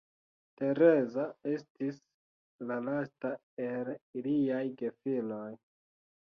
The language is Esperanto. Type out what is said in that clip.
Tereza estis la lasta el iliaj gefiloj.